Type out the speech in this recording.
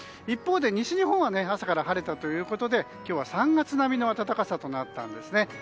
一方で西日本は朝から晴れたということで今日は３月並みの暖かさとなったんです。